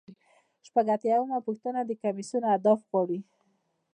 شپږ اتیا یمه پوښتنه د کمیسیون اهداف غواړي.